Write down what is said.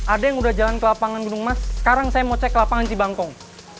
ada yang udah jalan ke lapangan gunung mas sekarang saya mau cek lapangan cibangkong